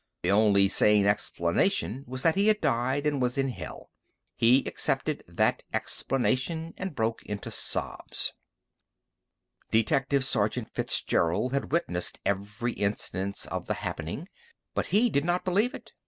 The only sane explanation was that he had died and was in hell. He accepted that explanation and broke into sobs. Detective Sergeant Fitzgerald had witnessed every instant of the happening, but he did not believe it.